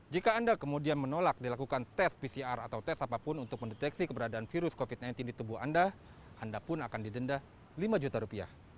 jika anda kemudian menolak dilakukan tes pcr atau tes apapun untuk mendeteksi keberadaan virus covid sembilan belas di tubuh anda anda pun akan didenda lima juta rupiah